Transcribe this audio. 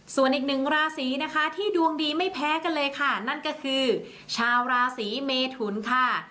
ส่วนอีกหนึ่งราศีนะคะที่ดวงดีไม่แพ้กันเลยค่ะนั่นก็คือชาวราศีเมทุนค่ะ